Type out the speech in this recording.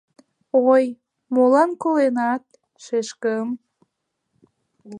— Ой, молан коленат, шешкым?..